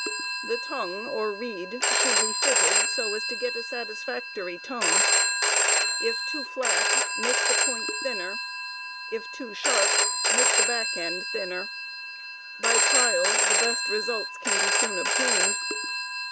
The tongue or reed should be fitted so as to get a satisfactory tone ^if too flat, make the point thinner; if too sharp, make the back end thinner. By trial, the best results can be soon obtained.